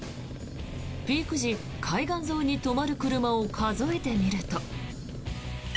ピーク時、海岸沿いに止まる車を数えてみると。